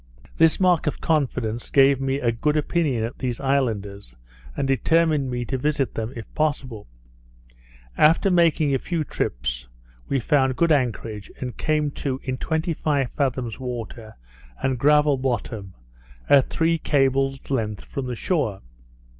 This mark of confidence gave me a good opinion of these islanders, and determined me to visit them, if possible. After making a few trips, we found good anchorage, and came to in twenty five fathoms water, and gravel bottom, at three cables' length from the shore.